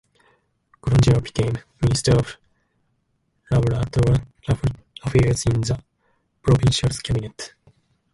Granger became Minister of Labrador Affairs in the provincial cabinet.